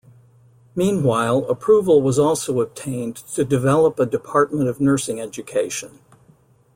Meanwhile, approval was also obtained to develop a Department of Nursing Education.